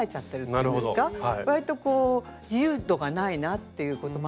わりと自由度がないなっていうこともあるし。